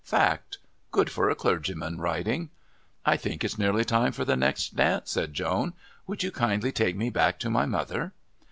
Fact. Good for a clergyman, riding " "I think it's nearly time for the next dance," said Joan. "Would you kindly take me back to my mother?"